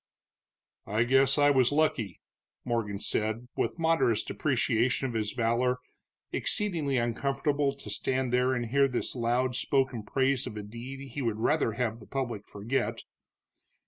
"I guess I was lucky," Morgan said, with modest depreciation of his valor, exceedingly uncomfortable to stand there and hear this loud spoken praise of a deed he would rather have the public forget.